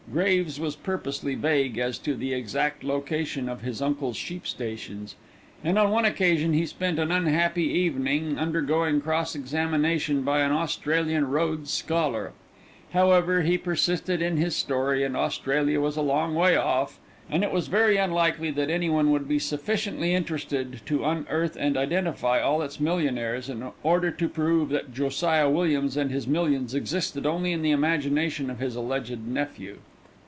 Graves was purposely vague as to the exact location of his uncle's sheep stations, and on one occasion he spent an unhappy evening undergoing cross examination by an Australian Rhodes scholar. However, he persisted in his story, and Australia was a long way off, and it was very unlikely that anyone would be sufficiently interested to unearth and identify all its millionaires in order to prove that Josiah Williams and his millions existed only in the imagination of his alleged nephew.